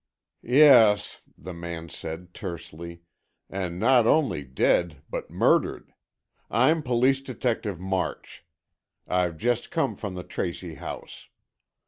"Yes," the man said, tersely, "and not only dead, but murdered. I'm Police Detective March. I've just come from the Tracy house.